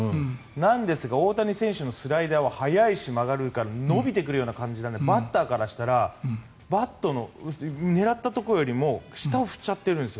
なんですが大谷選手のスライダーは速いし、曲がるから伸びてくるような感じなのでバッターからしたらバットの狙ったところよりも下を振っちゃってるんです。